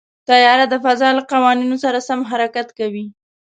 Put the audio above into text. طیاره د فضا له قوانینو سره سم حرکت کوي.